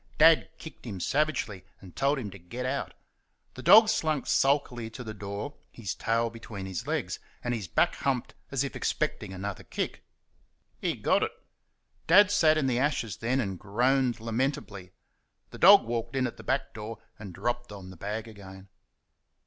Dad kicked him savagely and told him to get out. The dog slunk sulkily to the door, his tail between his legs, and his back humped as if expecting another kick. He got it. Dad sat in the ashes then, and groaned lamentably. The dog walked in at the back door and dropped on the bag again.